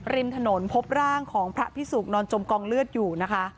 ริมถนนพบร่างของพระพิสุกนอนจมกองเลือดอยู่นะคะ